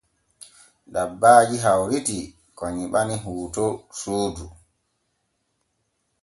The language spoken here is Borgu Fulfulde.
Dabbaaji hawritii ko nyiɓani hootoor suudu.